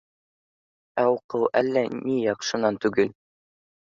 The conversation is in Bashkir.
Ә уҡыуы әллә ни яҡшынан түгел.